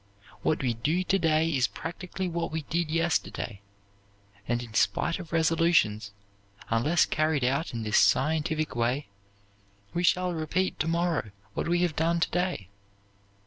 What we do to day is practically what we did yesterday; and, in spite of resolutions, unless carried out in this scientific way, we shall repeat to morrow what we have done to day.